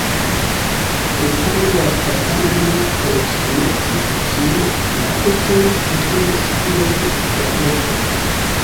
Prepari la pakaĵon por submeti ĝin al App Store postulis iom da tempo.